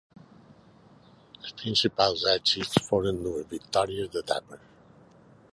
Els principals èxits foren dues victòries d'etapes.